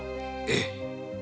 ええ。